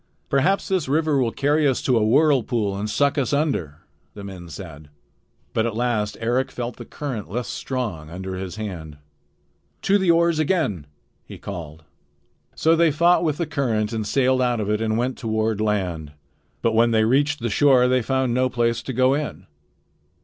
"Perhaps this river will carry us to a whirlpool and suck us under," the men said. But at last Eric felt the current less strong under his hand. "To the oars again!" he called. So they fought with the current and sailed out of it and went on toward land. But when they reached the shore they found no place to go in.